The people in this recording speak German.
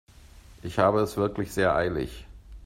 Ich habe es wirklich sehr eilig.